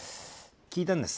聞いたんです。